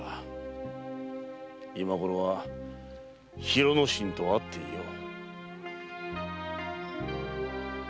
今ごろは広之進と会っていよう。